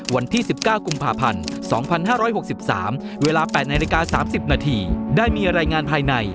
วันที่๑๙กุมภาพันธ์๒๕๖๓เวลา๘นาฬิกา๓๐นาที